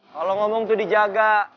kalau ngomong tuh dijaga